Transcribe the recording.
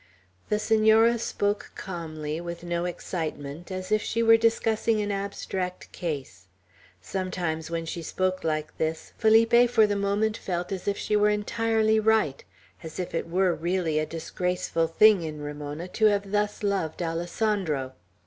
The Senora spoke calmly, with no excitement, as if she were discussing an abstract case. Sometimes, when she spoke like this, Felipe for the moment felt as if she were entirely right, as if it were really a disgraceful thing in Ramona to have thus loved Alessandro.